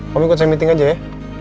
kamu ikut saya meeting aja ya